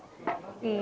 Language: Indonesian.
selamat datang kami